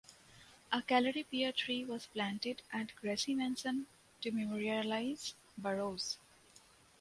A Callery pear tree was planted at Gracie Mansion to memorialize Burrows.